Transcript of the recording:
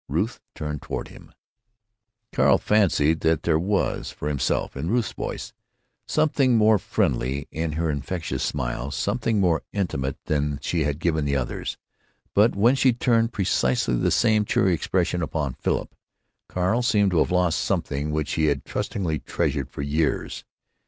Ruth turned toward him. Carl had fancied that there was, for himself, in Ruth's voice, something more friendly, in her infectious smile something more intimate than she had given the others, but when she turned precisely the same cheery expression upon Philip, Carl seemed to have lost something which he had trustingly treasured for years.